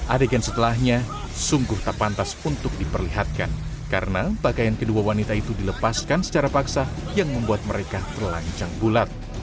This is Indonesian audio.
adegan setelahnya sungguh tak pantas untuk diperlihatkan karena pakaian kedua wanita itu dilepaskan secara paksa yang membuat mereka terlanjang bulat